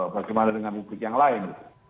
bagaimana dengan publik yang lain